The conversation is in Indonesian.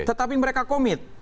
tetapi mereka komit